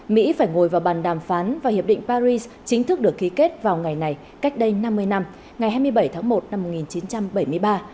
mỹ phải ngồi vào bàn đàm phán và hiệp định paris chính thức được ký kết vào ngày này cách đây năm mươi năm ngày hai mươi bảy tháng một năm một nghìn chín trăm bảy mươi ba